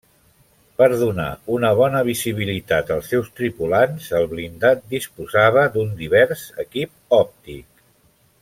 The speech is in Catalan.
Per donar una bona visibilitat als seus tripulants el blindat disposava d'un divers equip òptic.